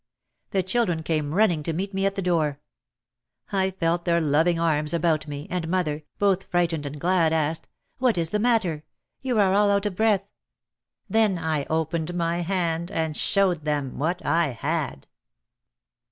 The children came running to meet me at the door. I felt their loving arms about me, and mother, both frightened and glad, asked: "What is the matter! You are all out of breath!" Then I opened my hand and showed them what I had.